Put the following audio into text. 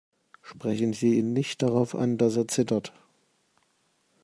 Sprechen Sie ihn nicht darauf an, dass er zittert.